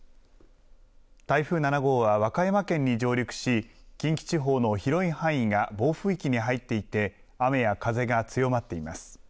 台風７号は和歌山県に上陸し、近畿地方の広い範囲が暴風域に入っていて、雨や風が強まっています。